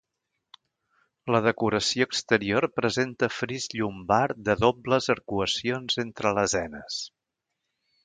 La decoració exterior presenta fris llombard de dobles arcuacions entre lesenes.